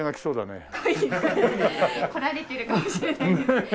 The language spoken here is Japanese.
来られてるかもしれないです。